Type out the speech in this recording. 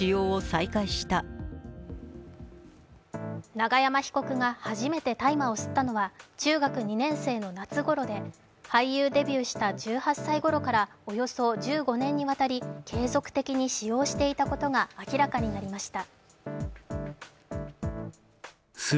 永山被告が初めて大麻を吸ったのは中学２年生の夏頃で、俳優デビューした１８歳ごろから、およそ１５年にわたり継続的に使用していたことが明らかになりました。